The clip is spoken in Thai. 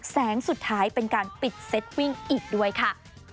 แสงสุดท้ายเป็นการปิดเซ็ตวิ่งอีกด้วยค่ะ